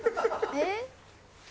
えっ？